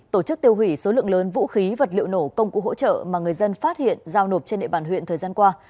tổ chức tiêu hủy số lượng lớn vũ khí vật liệu nổ công cụ hỗ trợ mà người dân phát hiện giao nộp trên địa bàn huyện thời gian qua